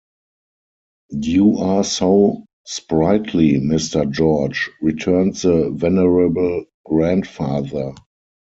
"You are so sprightly, Mr. George," returns the venerable grandfather.